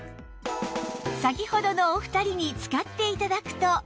先ほどのお二人に使って頂くと